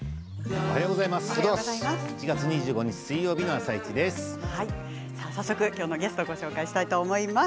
おはようございます。